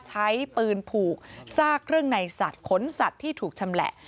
ใช้ปืนผูกซากเครื่องในสัตว์ขนสัตว์ที่ถูกชำแหละ